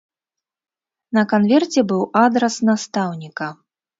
На канверце быў адрас настаўніка.